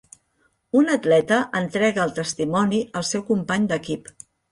Un atleta entrega el testimoni al seu company d'equip.